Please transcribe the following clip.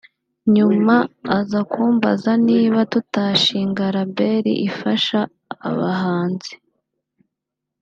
nyuma aza kumbaza niba tutashinga label ifasha abahanzi